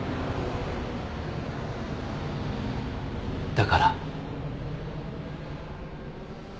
だから？